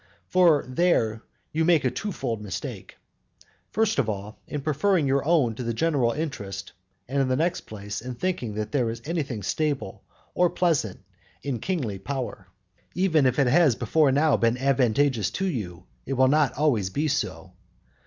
And there you make a two fold mistake: first of all, in preferring your own to the general interest; and in the next place, in thinking that there is anything either stable or pleasant in kingly power. Even if it has before now been advantageous to you, it will not always be so.